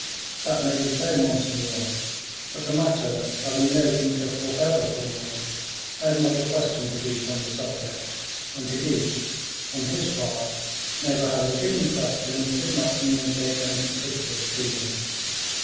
"That may be so, monseigneur; but the matter having no interest whatever for me, I have never questioned De Guiche on the subject; and De Guiche, on his part, never having been questioned, did not communicate any particulars to me."